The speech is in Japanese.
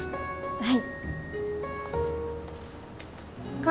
はい。